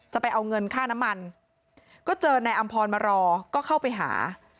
ไปเอาเงินค่าน้ำมันก็เจอนายอำพรมารอก็เข้าไปหา